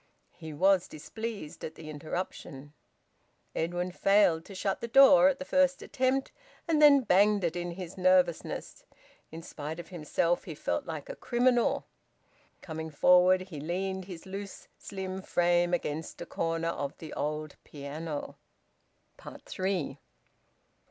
He was displeased at the interruption. Edwin failed to shut the door at the first attempt, and then banged it in his nervousness. In spite of himself he felt like a criminal. Coming forward, he leaned his loose, slim frame against a corner of the old piano. THREE.